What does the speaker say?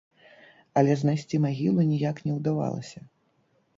Але знайсці магілу ніяк не ўдавалася.